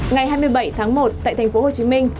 ngày hai mươi bảy tháng một tại thành phố hồ chí minh